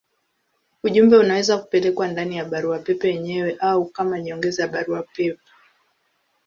Ujumbe unaweza kupelekwa ndani ya barua pepe yenyewe au kama nyongeza ya barua pepe.